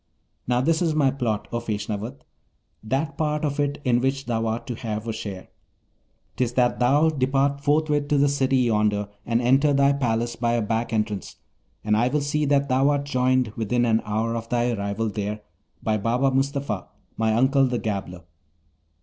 Now, this is my plot, O Feshnavat, that part of it in which thou art to have a share. 'Tis that thou depart forthwith to the City yonder, and enter thy palace by a back entrance, and I will see that thou art joined within an hour of thy arrival there by Baba Mustapha, my uncle, the gabbler.